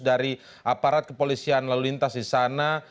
dari aparat kepolisian lalu lintas di sana